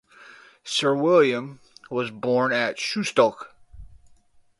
Sir William was born at Shustoke.